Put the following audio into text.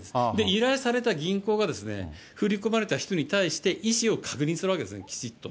依頼された銀行が、振り込まれた人に対して、意思を確認するわけですね、きちっと。